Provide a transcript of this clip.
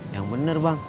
yang bener bang